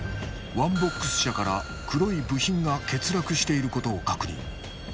ワンボックス車から黒い部品が欠落していることを確認